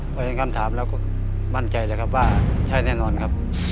พอเห็นคำถามแล้วก็มั่นใจเลยครับว่าใช่แน่นอนครับ